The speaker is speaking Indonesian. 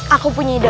aku punya ide